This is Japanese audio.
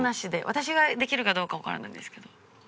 私ができるかどうかわからないんですけど。